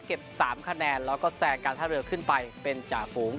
๓คะแนนแล้วก็แซงการท่าเรือขึ้นไปเป็นจ่าฝูง